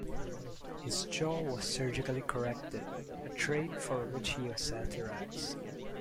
His jaw was surgically corrected, a trait for which he was satirized.